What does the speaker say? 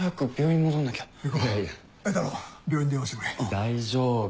大丈夫。